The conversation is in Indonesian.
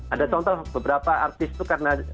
ada contoh beberapa artis itu karena